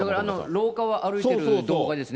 廊下を歩いてる動画ですね。